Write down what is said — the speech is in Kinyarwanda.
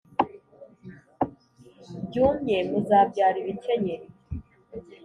byumye muzabyara ibikenyeri